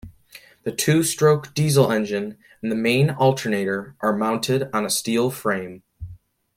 The two-stroke diesel engine and the main alternator are mounted on a steel frame.